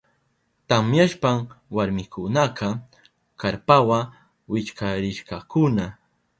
Tamyashpan warmikunaka karpawa wichkarishkakuna.